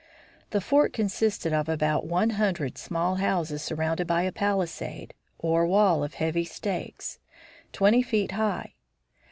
The fort consisted of about one hundred small houses surrounded by a palisade, or wall of heavy stakes, twenty five feet high.